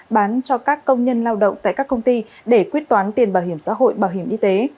bán cho các công nhân lao động tại các công ty để quyết toán tiền bảo hiểm xã hội bảo hiểm y tế